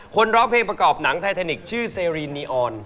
ร้องเพลงประกอบหนังไทแทนิกชื่อเซรีนนีออน